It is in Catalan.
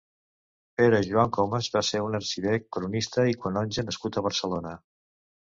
Pere Joan Comes va ser un arxiver, cronista i canonge nascut a Barcelona.